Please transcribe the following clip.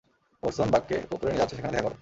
Orson বাককে পুকুরে নিয়ে যাচ্ছে, সেখানে দেখা করো।